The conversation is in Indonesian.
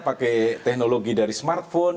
pakai teknologi dari smartphone